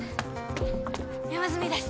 山住です